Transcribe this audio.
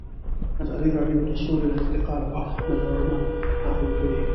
ازادي راډیو د سوله د ارتقا لپاره نظرونه راټول کړي.